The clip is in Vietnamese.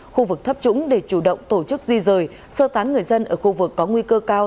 khu vực thấp trũng để chủ động tổ chức di rời sơ tán người dân ở khu vực có nguy cơ cao